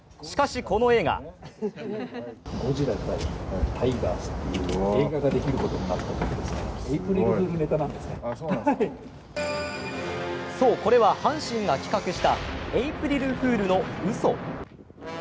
しかし、この映画そう、これは阪神が企画したエープリルフールのうそ。